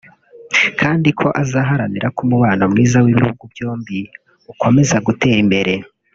kandi ko azaharanira ko umubano mwiza w’ibihugu byombi ukomeza gutera imbere